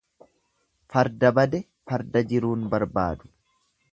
Farda bade farda jiruun barbaadu.